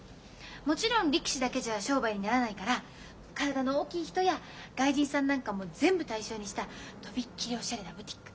もちろん力士だけじゃ商売にならないから体の大きい人や外人さんなんかも全部対象にしたとびっきりおしゃれなブティック。